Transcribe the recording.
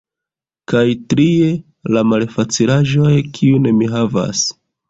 Kaj trie, la malfacilaĵoj, kiun mi havas.